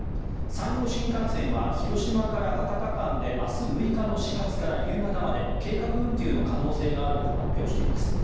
山陽新幹線は広島から博多間で明日６日の始発から夕方まで計画運休の可能性があると発表しています。